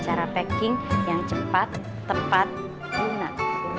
cara packing yang cepat tepat gunat